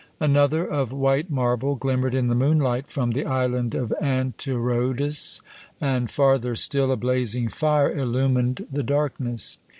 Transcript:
Another, of white marble, glimmered in the moonlight from the island of Antirrhodus; and farther still a blazing fire illumined the darkness.